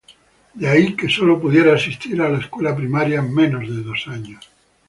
De ahí que sólo pudiera asistir a la escuela primaria menos de dos años.